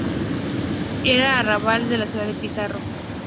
Era arrabal de la ciudad de Pizarro.